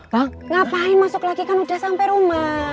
bang ngapain masuk lagi kan udah sampe rumah